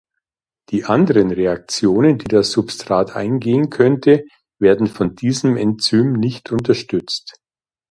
Die anderen Reaktionen, die das Substrat eingehen könnte, werden von diesem Enzym nicht unterstützt.